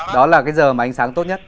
đó là cái giờ mà anh sáng tốt nhất